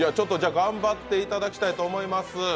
頑張っていただきたいと思います。